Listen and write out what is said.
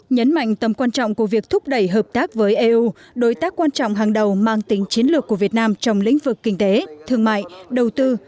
nhấn mạnh tầm quan trọng của việc thúc đẩy hợp tác với eu đối tác quan trọng hàng đầu mang tính chiến lược của việt nam trong lĩnh vực kinh tế thương mại đầu tư